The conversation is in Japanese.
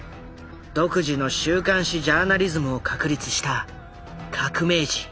独自の週刊誌ジャーナリズムを確立した革命児。